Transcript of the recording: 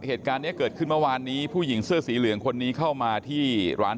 เหตุการณ์นี้เกิดขึ้นเมื่อวานนี้ผู้หญิงเสื้อสีเหลืองคนนี้เข้ามาที่ร้าน